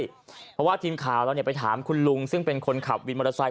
เพราะว่าทีมข่าวเราไปถามคุณลุงซึ่งเป็นคนขับวินมอเตอร์ไซค